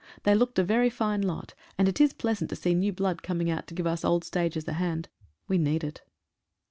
They looked a very fine lot, and it is pleasant to see new blood coming out to give us old stagers a hand — we need it.